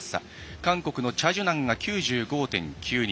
韓国のチャ・ジュナンが９５．９２。